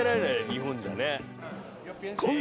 日本じゃね。